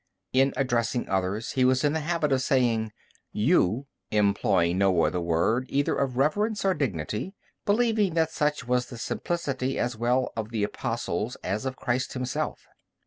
In addressing others he was in the habit of saying "you," employing no other word either of reverence or dignity, believing that such was the simplicity as well of the Apostles as of Christ Himself.